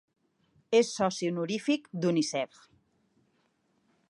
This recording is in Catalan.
És soci honorífic d'Unicef.